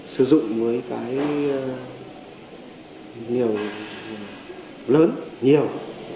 sử dụng với cái nhiều lớn nhiều